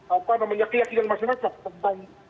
apa namanya keyakinan masyarakat tentang